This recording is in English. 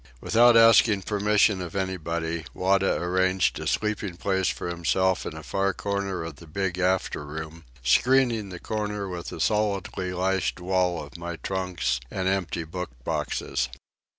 Without asking permission of anybody, Wada arranged a sleeping place for himself in a far corner of the big after room, screening the corner with a solidly lashed wall of my trunks and empty book boxes.